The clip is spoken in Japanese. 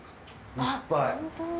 いっぱい。